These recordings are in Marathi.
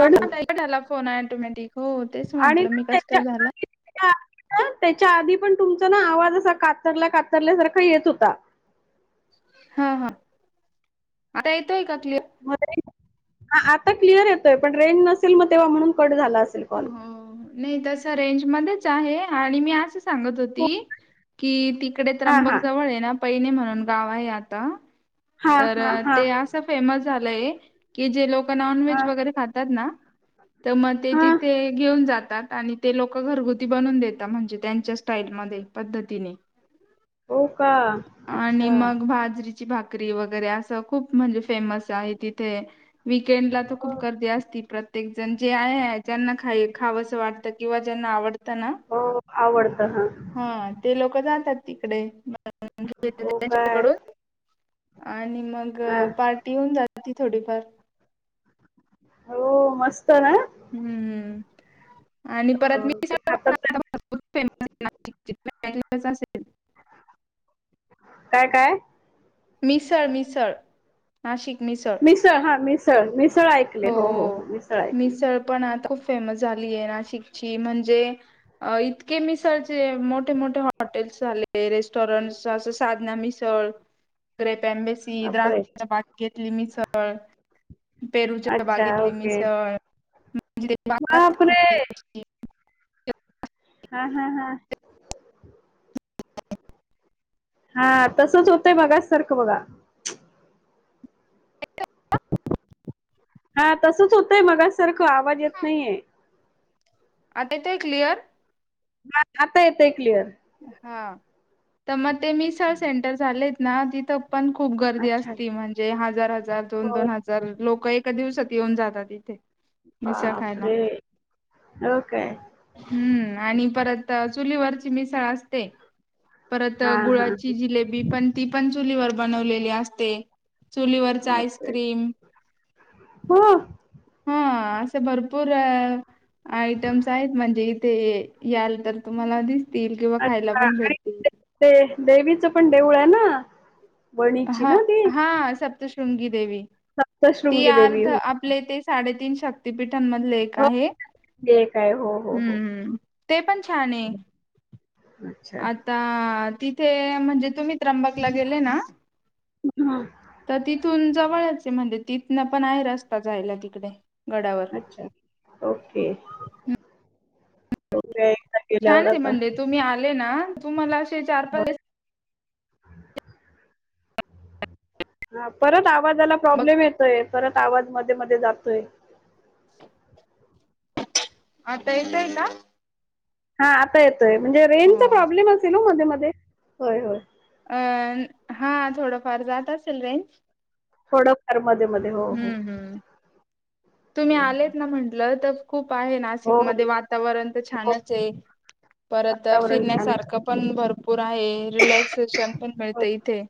हा नाहीटाला फोन ऑटोमॅटिक हो तेच आणि म्हटलं ना मी कसं काय त्याच्या झाला. त्या त्याच्या आधी पण तुमचा ना आवाज असा कातरला कातरल्यासारखा येत होता. हा हा आता येतोय का क्लिअर. मग रेंज आता क्लिअर येतोय पण रेंज नसेल मग तेव्हा म्हणून कट झाला असेल कॉल हो नाही तसं रेंज मध्येच आहे आणि मी आच सांगत होती की तिकडे हा त्र्यंबक हा जवळ आहे ना पैणी म्हणून गाव आहे आता हा तर हा हा ते असं फेमस झालंय. की जे लोक नॉन हा व्हेज वगैरे खातात ना तर मग ते हा तिथे घेऊन जातात आणि ते लोक घरगुती बनून देतात म्हणजे त्यांच्या स्टाईल मध्ये पद्धतीने हो का आणि अच्छा मग बाजरी ची भाकरी वगैरे असं खूप म्हणजे फेमस आहे तिथे वीकेंड ला तर हो खूप गर्दी असती प्रत्येक जण जे आहे ज्यांना खाई खावंसं वाटतं किंवा ज्यांना आवडतं ना हो आवडतं हा हा ते लोक जातात तिकडे हो काय त्यांच्याकडून आणि मग हा पार्टी होऊन जात ती थोडीफार हो मस्त ना हम्म आणि परत अं, मी ते खातात ते- फेमस [unintelligible] काय काय? मिसळ मिसळ नाशिक मिसळ मिसळ हा मिसळ मिसळ ऐकले हो हो हो मिसळ ऐकले. मिसळ पण आता खूप फेमस झालीय नाशिकची म्हणजे अ इतके मिसाळचे मोठे मोठे हॉटेल्स झाले रेस्टॉरंट्स असं साधना मिस चळे पॅम्बेस बापरे द्रास बाग घेतली मिसळ पेरूच्या अच्छा बागेतली ओके मिसळ बापरे! म्हज हा हा हा हा तसच होतंय बघ सारखं बघा हा तसच होतंय मग सारखं आवाज येत नाहीये आता येतय क्लिअर ह आता येतंय क्लिअर हा तर मग ते मिसळ सेंटर झालेत ना तिथं पण खूप गर्दी अच्छा. असती म्हणजे हजार हजार दोन होय, दोन हज तरर लोक एका दिवसात येऊन जातात इथे. मिसळ खायला बापरे! हो काय? हम्म आणि परत चुलीवरची मिसळ असते. परत हां, हां. गुळाची जिलेबी पण ती पण चुलीवर बनवलेली असते. चुलीवरच बापरे! आईस्क्रीम हो. हा असे भरपूर आयटम्स आहेत म्हणजे इथे याल तर तुम्हाला दिसतील किंवा खायला अच्छा पण आणि भेटतील ते ते देवीचं पण देऊळ आहे ना वणीची ह ना ती? हा सप्तशृंगी देवी ती सप्तशृंगी देवी अर्थ हो. आपले ते साडेतीीन शक्तीिपीठांमधले एक हो आहे ते काय हो. हो, हो. हम्म ह ते पण छान अच्छा. अ तिथे म्हणजे तुम्ही त्र्यंबकला गेले ना हा तर तिथून जवळचे म्हणजे तिथनं पण आहे रस्ता जायला तिकडे गडावर ओके छान गेल्यावर आता म्हण तुम्ही आले ना तुम्हाला असे चार होय पाच [inaudible] हा परत आवाजाला बघ प्रॉब्लेम येतोय परत आवाज मध्ये मध्ये जातोय आता येतयल हा आता येतोय म्हणजे रेनचा अ प्रॉब्लेम असेल हो मध्ये मध्ये होय होय अ हा थोडंफार जात असेल रेंज थोडंफ मध्येध्ये हम्म हम् तुम्ही होय. होय. आलेत ना म्हंटलं तर खूप आहे ना नाशिक हो हो मध्ये वातावरण तर हो छानच आहे परत वातावरण छान आहे फिरण्यासारखं पण भरपूर आहे रिलॅक्सेशन पण होय मिळते इथे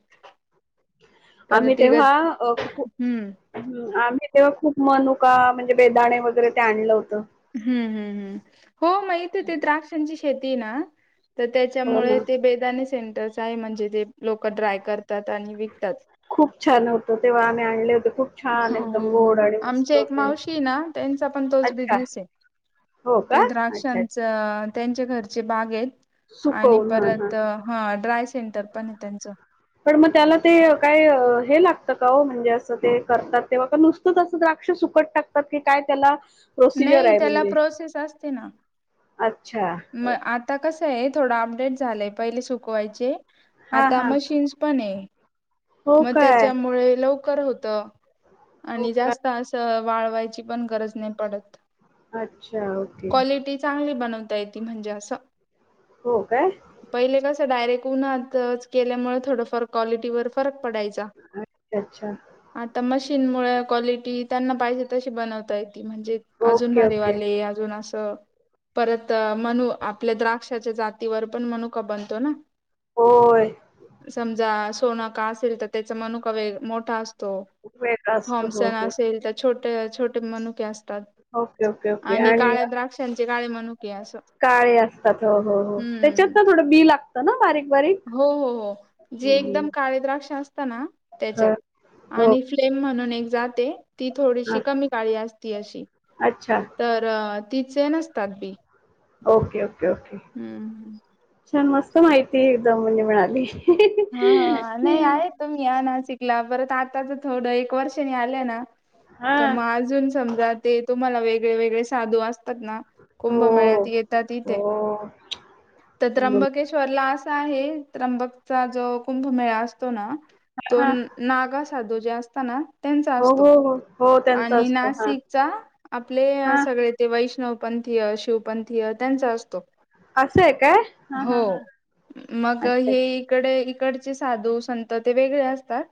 परतिगत हम्म ह् आम्ही तेव्हा खूप मनुका म्हणजे बेदाणे वगैरे ते आणलं होतं हम्म हम् हम् हो माहित ते द्राक्षांची शेती ना तर हो त्याच्यामुळे ना ते बेदाने सेंटर्स आहे म्हणजे ते लोक ड्राय करतात आणि विकतात खूप छान होतं तेव्हा आम्ही आणले होते खूप छान हो हो एकदम हो गोड हो आणि मस्त आमच्या एक होते मावशी ना त्यांचा पण तोच अच्छा बिझनेस आहे हो ते का अच्छा अच्छा द्राक्षांचं त्यांच्या घरचे बाग आहेत आणि सुकवून हा हा परत ह ड्राय सेंटर पण आहे त्यांचं पण मग त्याला ते काय हे लागतं का हो म्हणजे असं ते करतात तेव्हा का नुसत तस द्राक्ष सुकट टाकतात की काय त्याला प्रोसिजर नाही आहे त्याला म्हणजे प्रोसेस असते ना अच्छा मग आता कसं आहे थोडं अपडेट झालंय पहिले सुकवायचे हा आता हा मशीन्स पण आहे हो मग काय त्याच्यामुळे लव होत हो आणि काय जास्त अस वाळवायची पण गरज नाही पडत अच्छा ओके क्वालिटी चांगली बनवता य त म्हणजे असं हो काय पहिले कसं डायरेक्ट उन्हातच केल्यामुळे थोडंफार क्वालिटीवर फरक पडायचा अच्छा अच्छा आता मशीन मु क्वालिटी त्यांना पाहिजे तशी बनवता येत म्हणजे अजून ओके भारी ओके वाले अजून असं परत तर मनू आपल्या द्राक्षाच्या जातीवर पण मनू क बनतो ना होय समजा सोनं का असेल तर त्याचा मनुकावे मोठा असतो वेगळा त असतो हो थॉम्सन हो असेल तर छोटे छोटे मनुके अस ओके ओके ओके आणि आणि काळ्या द्राक्षांचे काळे म्हणुके असं काळे असतात हो हो हो त्याच्यात हम्म. तर थोडं बी लागतं ना बारीक बारीक हो हो हो जे हम्म एकदम काळे द्राक्ष असत ना त्याच्यात ह, हो आणि फ्लेम म्हणून एक जाते ती हा थोडीशी कमी काळी असती अशी अच्छा तर तिचे नसतात बी ओके ओके ओके हम्म छान मस्त माहिती एकदम म्हणजे मिळाली हा हा नाही आहे तो्ही या ना शिकला परत आता तर थोडं एक वर्षनी आलं ना हा तर मग अजून समजा ते तुम्हाला वेगळे वेगळे साधू अस ना हो कुंभमेळ्यात येतात इथे हो तर त्र्यंबकेश्वरला आहे त्र्यंबक चा जो कुंभमेळा असतो ना तो हा नागा साधू जे असता ना त्यांचा हो असतो हो हो त्यांचा आणि असतो हा नाशिकचा आपले हा सगळे ते वैष्णवपंथी शिवपंथीय त्यांचा असतो असं आहे काय ह ह अचछा तकडे, इकडचे साधू संत ते वेगळे असतात,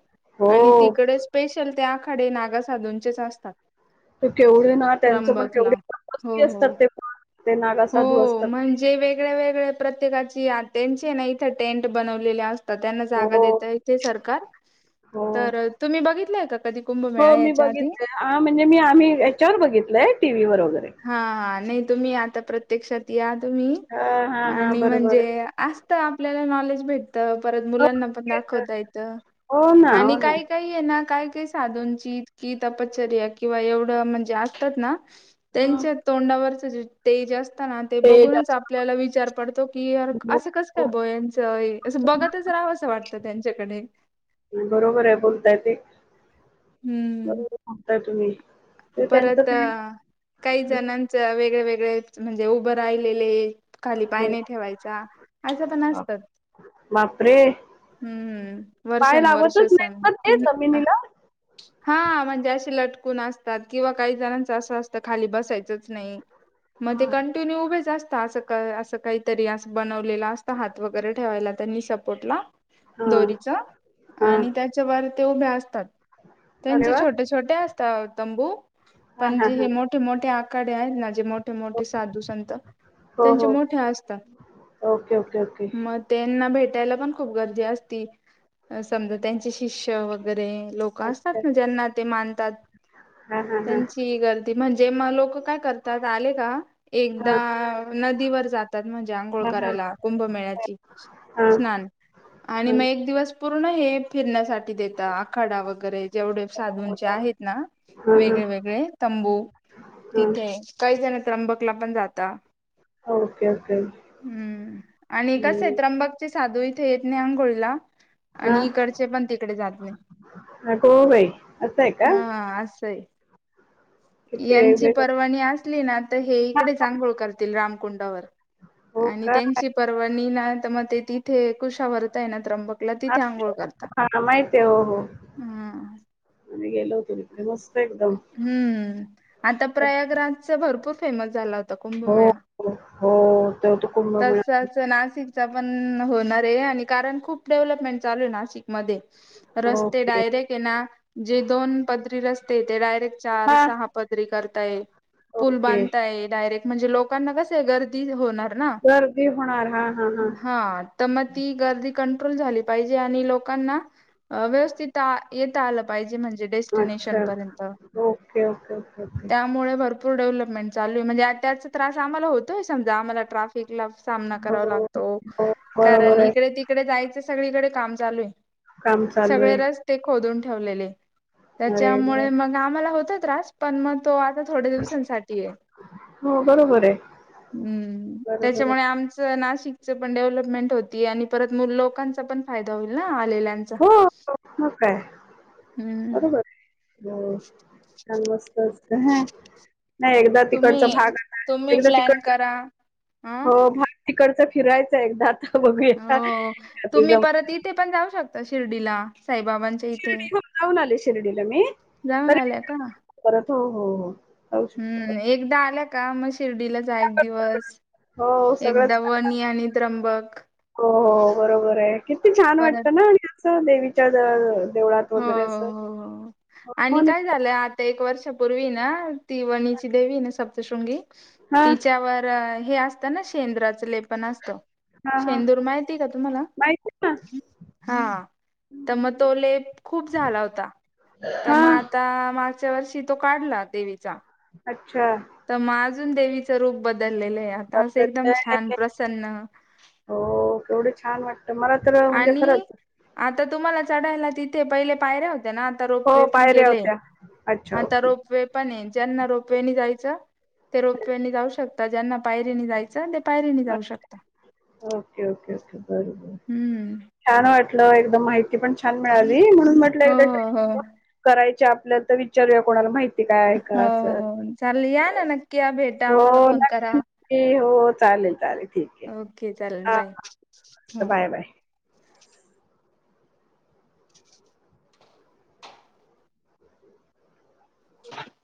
आणि हो तिकडेच स्पेशल ते आखाडे नागसाधूंनतेच असतात. त केवढे ना, त्यांचं पण केवढे त्र्यंबकला. हो पक्के हो. असतात, ते पण. ते नागा हो साधू असतात ते. म्हणजे वेगळ्या वेगळ्या प्रत्येकाची, त्यांचे ना इथे टेंट बनवलेले अस त्यांना हो जागा देता इथे सरकार, हो तर तुम्ही बघितलंय का? कधी हो कुंभमेळा मी याच्या आधी? बघितलंय, हा म्हणजे मी, आम्ही याच्यावर बघितलंय टी व्ही वर वगैरे. हा हा, नाही तुम्ही आता प्रत्यक्षात या तुम्ही, हा हा हा आणि बरोबर म्हणजे आहे असत आपल्याला नॉलेज भेटत, परत हो मुलांना पण तर. दाखवता येतं, हो ना आणि हो ना काही, काहीये ना, काय काय साधनची ईतकी तपश्चर्या, किंवा एवढं म्हणजे असतात ना. हम्म त्यांच्या तोंडावरच जे तेज अस तना, ते बघूनच आपल्याला विचार पडतो की, हो, असं कस हो. बोयाचं असं, बघतच राहावअसं वाटतं त्यांच्याकडे. बरोबरे बोलताय ते. हम्म. बरोबर सांगताय, तुम्ही. ते त्यांचं परत, ते काही जणांच, वेगळे वेगळे म्हणजे उभं राहिलेले, खाली पाय हो. नाही ठेवायचा, असं पण असतं. बापरे. हम्म, पाय वर्षान वर्ष लावतच नाहीत सान. ना ते जमिनीला हा, म्हणजे अे लटकून असतात, किंवा काही जणांच असं असतं, खाली बसायचंच नाही. मग ते, हा कंटिन्यू उभे अस्ता आस. असं काहीतरी, अस बनवलेला असत हात वगैरे ठेवायला, त्यांनी सपोर्टला. हा दोरीच, हा आणि त्याच्यावर ते उभे असतात, अरे त्यांचे वा छोटे छोटे असतात तंबू, हा पण हा जे हे हा मोठे मोठे आखाडे आहेत ना, जे मोठे मोठे साधू संत, हो यांचे हो मोठे असतात, ओके ओके ओके म त्यांना भेटायला पण खूप गर्दी असती, समजा त्यांच्या शी शिष्य वगैरे लोक असतात अच्छा ना, ज्यांना ते मानतात, हा हा हा त्यांन ची गर्दी, म्हणजे मग लोक काय करतात, आले का? एकदा हा नदीवर जात म्हणजे आंघोळ हा हा हा करायला, कुंभमेळ्यात हा स्नान. आणि मग, हा एक दिवस पूर्ण हे फिरण्यासाठी देता, आखाडा वगैरे जेवढे साधूंचे आहेत ना, हा वेगळे वेगळे, तंबू, हा तिथे, काही जण, त्र्यंबकला पण जाता. ओके ओके हम्म आणि कसय, हं. त्रंबकचे साधू इथे येत नाही, आंघोळीला. आणि हां इकडचे पण तिकडे जात नाही, अगो बाई असं आहे का हा असंय. किती यांची वेगवेगळ परवानी असली ना, त हे इकडे आंघोळ करतील, रामकुंडावर. हो आणि का त्यांची परवणी ना, त म ते तिथे कुशा वरतय ना, त्र्यंबक हा माहिते, हो हो. हा आणि गेलो होतो तथे, मस्त एकदम. हम्म आता प्रयागराजचा, भरपूर फेमस झाला होता, हो कुंभमेळा. हो, तेव्हा तो कुंभमेळा नाशिकचा पण होणारे, आणि कारण खूप डेव्हलपमेंट चालूये नाशिक मध्ये, रस्ते ओके डायरेक्टे ना, जे दोन पदरी रस्तेय, ते डायरेक्ट चार हा सहा पदरी करताय, पूल ओके बांधताय, डायरेक्ट म्हणजे, लोकांना कसय, गर्दी होणार ना. गर्दी होणार, हा हा हा. हा त म ती गर्दी कंट्रोल झाली पाहिजे, आणि लोकांना व्यवस्थित येता आलं पाहिजे, म्हणजे डेस्टिनेशन अच्छा पर्यंत, ओके ओके ओके ओके त्या मुळे भरपूर डेव्हलपमेंट चालूये, म्हणजे त्याचा त्रास आम्हाला होतोय समजा, आम्हाला ट्राफिक ला सामना हो करावा लागतो, हो कारण बरोबर आहे इकडे तिकडे जायचं, सगळीकडे काम चालूये. काम चालू सगळे आहे रस्ते खोदून ठेवलेले अरे देवा. त्याच्यामुळे मग आम्हाला होत त्रास पण मग तो आता थोडे्या दिवसांसाठी आहे हो बरोबर आहे हम्म बरोबर त्याच्यामुळे आहे आमच नाशिकचं पण डेव्हलपमेंट होती आणि परत लोकांचा पण फायदा होईल ना आलेल्यांचा हो म काय हम्म अरबर मत नाही एकदा तिकडचा तुम्ही भाग आ तुम्ही एकदा तिकडचा [unintelligible] हो भ तिकडचं फिरायचं एकदा आता बघूयाी जाऊन ते पण जाऊ शकत शिर्डीला साईबाबांच्या इथे शिर्डी हो जाऊन आले शिर्डीला मी जाऊन आल्या का परत हो हो हो जाऊ शकतो परत. हम्म एकदा आल्या का मग शिर्डीला जा एक दिवस हो सगळंच एकदा वणी आणि त्र्यंबक हो बरोबर आहे किती छान परत वाटतं ना देवीच्या देवळात वगैरे असं हो आणि हो काय झालंय आ एक वर्ष पूर्वी ना ती वणीची देवी ना सप्तशृंगी हा तिच्यावर हे असतं ना शेंदु्राचं लेपण असतं हा हा शेंदूर माहिती का तुम्हाला माहिती आहे ना हा तर म तो लेप खूप झाला होता तर हा मग आता मागच्या वर्षी तो काढला देवीचा अच्छा तर मग अजून देवीचं रूप बदललेलं आहे आता असं एकदम छान प्रसन्न हो केवढी छान वाटत मला तर म्हणजे आणि खरंच आता तुम्हाला चढायला तिथे पहिले पायऱ्या होत्या ना आता हो रोपवे पण पायऱ्या केले होत्या अच्छा आता ओके. रोपवे पण ज्यांना रोपवे न जायचं ते रोपवेनी जाऊ शकता ज्यांना पायरीनी जायचं ते पायरीनी जाऊ शकता ओके ओके ओके बरोबर हम्म छान वाटलं एकदम माहिती पण छान मिळाली म्हणून म्हट हो एक हो हो करायच्या आपल्या तर विचारूया कोणाला माहिती काय आहे हो का असं हो हो चाल या ना नक्की या भेट हो नक्की हो चालेल चालेल ठीक आहे ओके चालेल हां बाय हां ह बाय बाय. [unintelligible]